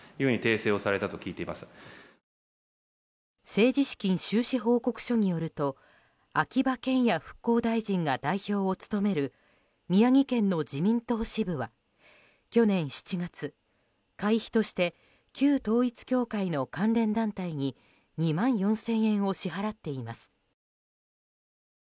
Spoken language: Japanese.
政治資金収支報告書によると秋葉賢也復興大臣が代表を務める宮城県の自民党支部は去年７月、会費として旧統一教会の関連団体に２万４０００円を支払っています。